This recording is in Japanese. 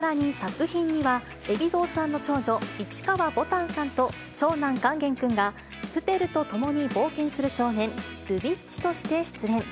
さらに作品には、海老蔵さんの長女、市川ぼたんさんと長男、勸玄君がプペルと共に冒険する少年、ルビッチとして出演。